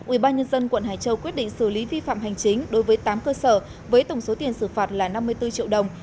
ủy ban nhân dân quận hải châu quyết định xử lý vi phạm hành chính đối với tám cơ sở với tổng số tiền xử phạt là năm mươi bốn triệu đồng